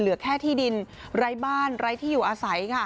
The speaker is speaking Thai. เหลือแค่ที่ดินไร้บ้านไร้ที่อยู่อาศัยค่ะ